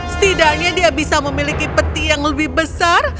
setidaknya dia bisa memiliki peti yang lebih besar